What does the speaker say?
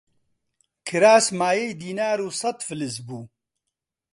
کراس مایەی دینار و سەت فلس بوو